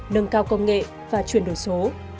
nâng cao công nghệ và chuyển đổi số